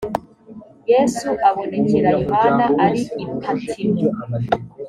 yesu abonekera yohana ari i patimo